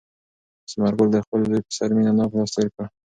ثمر ګل د خپل زوی په سر مینه ناک لاس تېر کړ.